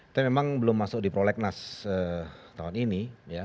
itu memang belum masuk di prolegnas tahun ini